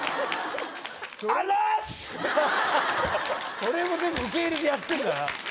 それも全部受け入れてやってんだな。